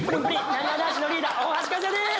なにわ男子のリーダー大橋和也です